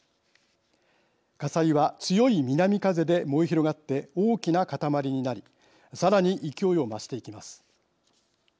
火災は強い南風で燃え広がって大きな塊になりさらに勢いを増していきます。